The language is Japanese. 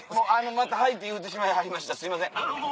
また「はい」って言うてしまいはりました。